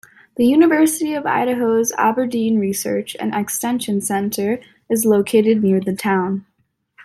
The University of Idaho's Aberdeen Research and Extension Center is located near the town.